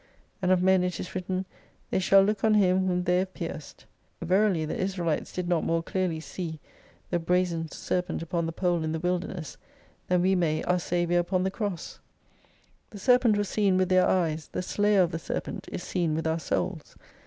And of men it is written. They shall look on Him whom they have pierced. Verily the Israelites did not more clearly see the brazen serpent upon the pole in the wilderness, than we may our Saviour upon the Cross. The serpent was seen with their eyes, the slayer of the serpent is seen with our Souls.